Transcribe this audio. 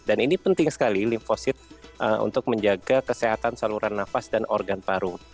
dan ini penting sekali limfosit untuk menjaga kesehatan saluran nafas dan organ paru